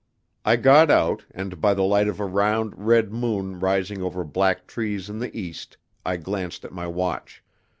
I got out, and by the light of a round, red moon rising over black trees in the east I glanced at my watch.